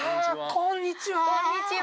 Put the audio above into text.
こんにちは。